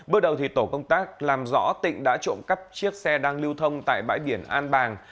bước đầu tổ công tác làm rõ tỉnh đã trộm cắp chiếc xe đang lưu thông tại bãi biển an bàng